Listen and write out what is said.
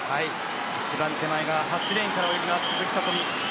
一番手前、８レーンから泳ぎます鈴木聡美。